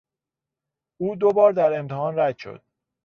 او دوبار در امتحان رد شد.